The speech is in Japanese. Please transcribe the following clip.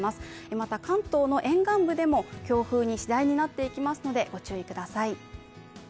また関東の沿岸部でも強風に次第になっていきますのでご注意ください。